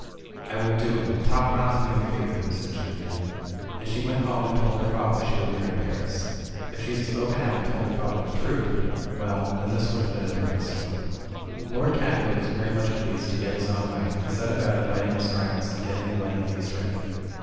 'T will do it ; talk not to me of fear !" said Juliet. And she went home and told her father she would marry Paris. If she had spoken out and told her father the truth ... well, then this would have been a different story. Lord Capulet was very much pleased to get his own way, and set about inviting his friends and gettinp the wedding feast ready.